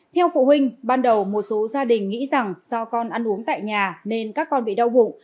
theo phụ huynh ban đầu một số gia đình nghĩ rằng do con ăn uống tại nhà nên các con bị đau bụng